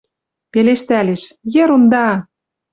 Пелештӓлеш: ерунда!..